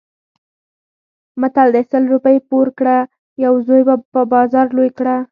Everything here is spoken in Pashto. متل دی: سل روپۍ پور کړه یو زوی په بازار لوی کړه.